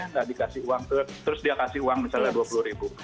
tidak dikasih uang terus dia kasih uang misalnya rp dua puluh